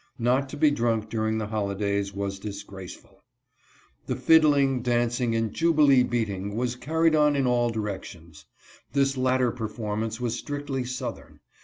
Ntft.to be drunk during the holidays was disgraceful. THE SLAVE'S FARE. 181 The fiddling, dancing, and " jubilee beating " was car ried on in all directions. This latter performance was strictly southern.